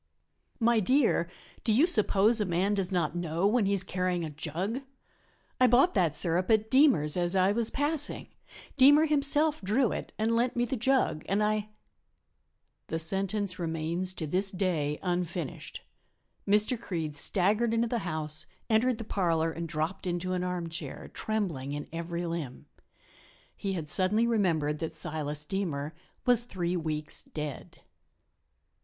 "My dear, do you suppose a man does not know when he is carrying a jug? I bought that sirup at Deemer's as I was passing. Deemer himself drew it and lent me the jug, and I " The sentence remains to this day unfinished. Mr. Creede staggered into the house, entered the parlor and dropped into an armchair, trembling in every limb. He had suddenly remembered that Silas Deemer was three weeks dead.